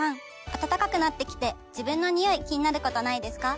暖かくなってきて自分のニオイ気になることないですか？